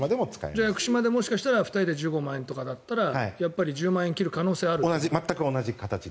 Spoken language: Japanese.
じゃあもしかしたら屋久島で２人で１５万円だったらやっぱり１０万円を切る可能性があると。